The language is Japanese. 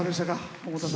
百田さん。